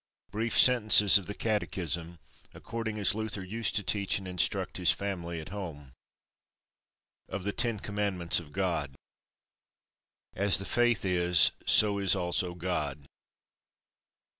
BRIEF SENTENCES OF THE CATECHISM, ACCORDING AS LUTHER USED TO TEACH AND INSTRUCT HIS FAMILY AT HOME. Of the Ten Commandments of God. As the Faith is, so is also God.